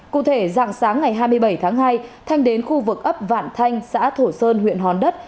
cụ thể dạng sáng ngày hai mươi bảy tháng hai thanh đến khu vực ấp vạn thanh xã thổ sơn huyện hòn đất